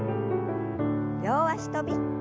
両脚跳び。